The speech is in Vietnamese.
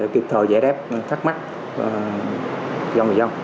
kịp thời giải đáp thắc mắc do người dân